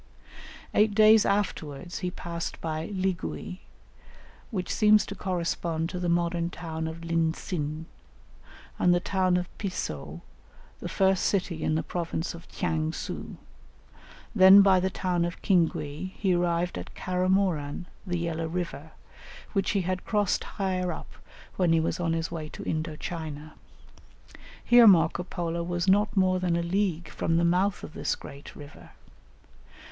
Eight days afterwards he passed by Ligui, which seems to correspond to the modern town of Lin tsin, and the town of Piceu, the first city in the province of Tchang su; then by the town of Cingui, he arrived at Caramoran, the Yellow River, which he had crossed higher up when he was on his way to Indo China; here Marco Polo was not more than a league from the mouth of this great river.